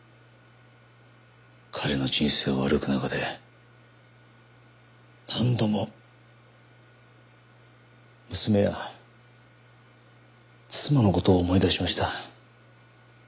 彼の人生を歩く中で何度も娘や妻の事を思い出しました。